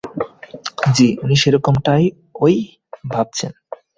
জ্বি, উনি সেরকমটাউই বলেছেন।